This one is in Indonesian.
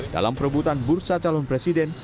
dalam perebutan bursa calon presiden